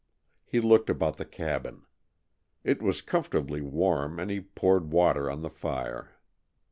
He looked about the cabin. It was comfortably warm, and he poured water on the fire.